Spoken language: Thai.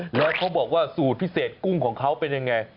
แล้วเขาบอกว่าสูตรพิเศษกุ้งของเขาเป็นยังไง